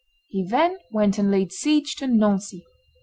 He then went and laid siege to Nancy.